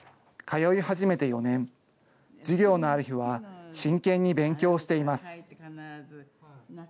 通い始めて４年、授業のある日は、真剣に勉強しています。